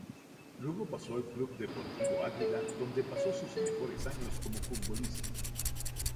Luego pasó al Club Deportivo Águila donde pasó sus mejores años como futbolista.